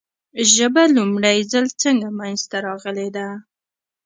ژبه لومړی ځل څنګه منځ ته راغلې ده ؟